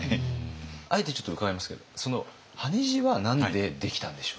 あえてちょっと伺いますけど羽地は何でできたんでしょう。